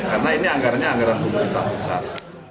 karena ini anggarannya anggaran pemerintah rusak